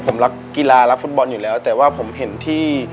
ผมรักกีฬารักฟุตบอลอยู่แล้วแต่ว่าผมเห็นที่